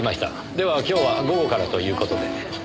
では今日は午後からという事で。